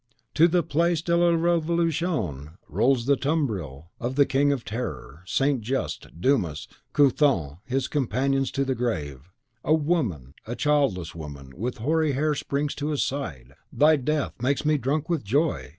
To the Place de la Revolution rolls the tumbril of the King of Terror, St. Just, Dumas, Couthon, his companions to the grave! A woman a childless woman, with hoary hair springs to his side, "Thy death makes me drunk with joy!"